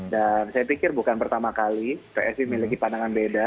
dan saya pikir bukan pertama kali psi memiliki pandangan beda